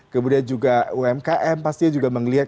kemudian juga umkm pastinya juga melihat